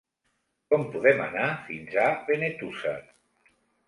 Com podem anar fins a Benetússer?